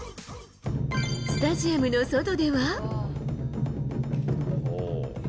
スタジアムの外では。